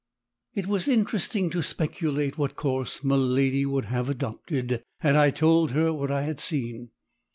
It was interesting to speculate what course miladi would have adopted, had I told her what I had seen!